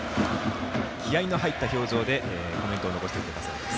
気合いの入った表情でコメントを残しています。